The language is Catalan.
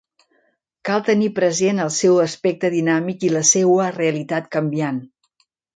Cal tenir present el seu aspecte dinàmic i la seua realitat canviant.